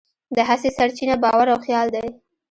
د هڅې سرچینه باور او خیال دی.